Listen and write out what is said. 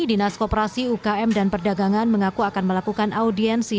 dinas koperasi ukm dan perdagangan mengaku akan melakukan audiensi